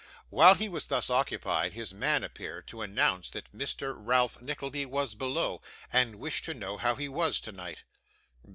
While he was thus occupied, his man appeared, to announce that Mr. Ralph Nickleby was below, and wished to know how he was, tonight.